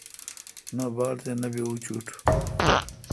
نہ باڑ تے نہ بی اوشٹ۔